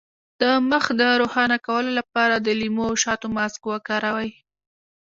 د مخ د روښانه کولو لپاره د لیمو او شاتو ماسک وکاروئ